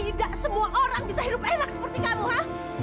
tidak semua orang bisa hidup enak seperti kamu ya